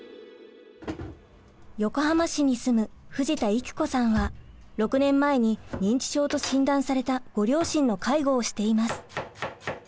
横浜市に住む藤田郁子さんは６年前に認知症と診断されたご両親の介護をしています。